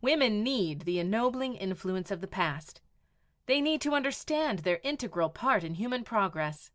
Women need the ennobling influence of the past. They need to understand their integral part in human progress.